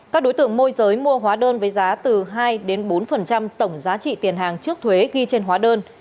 các đối tượng môi giới mua hóa đơn với giá từ hai bốn tổng giá trị tiền hàng trước thuế ghi trên hóa đơn